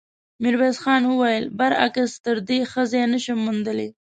ميرويس خان وويل: برعکس، تر دې ښه ځای نه شم موندلی.